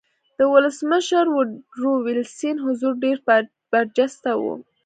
د ولسمشر ووډرو وېلسن حضور ډېر برجسته و